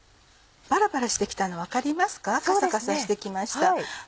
パラパラして来たの分かりますかカサカサして来ました。